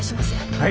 はい。